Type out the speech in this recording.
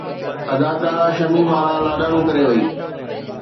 اداڪاره شميم آرا لاڏاڻو ڪري وئي